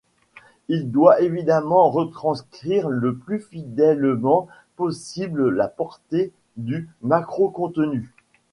Il doit évidemment retranscrire le plus fidèlement possible la portée du macrocontenu.